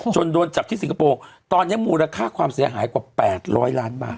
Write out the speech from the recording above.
โดนจับที่สิงคโปร์ตอนนี้มูลค่าความเสียหายกว่า๘๐๐ล้านบาท